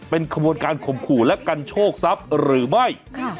เป็นขบวนการข่มขู่และกันโชคทรัพย์หรือไม่